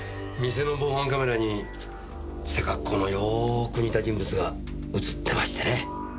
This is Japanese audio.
店の防犯カメラに背格好のよーく似た人物が映ってましてね。